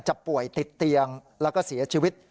ป่วยติดเตียงแล้วก็เสียชีวิต